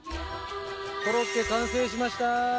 コロッケ完成しました！